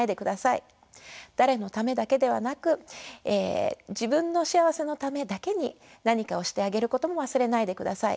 誰のためだけではなく自分の幸せのためだけに何かをしてあげることも忘れないでください。